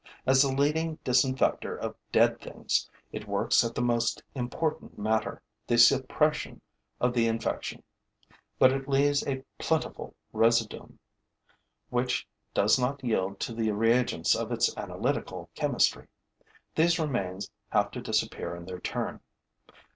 As the leading disinfector of dead things, it works at the most important matter, the suppression of the infection; but it leaves a plentiful residuum, which does not yield to the reagents of its analytical chemistry. These remains have to disappear in their turn.